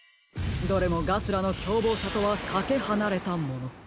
どれもガスラのきょうぼうさとはかけはなれたもの。